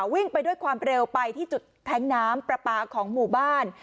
วิ่งไปด้วยความเร็วไปที่จุดแท้งน้ำปลาปลาของหมู่บ้าน